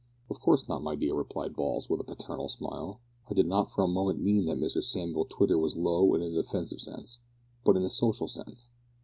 "Of course not, my dear," replied Balls, with a paternal smile. "I did not for a moment mean that Mr Samuel Twitter was low in an offensive sense, but in a social sense.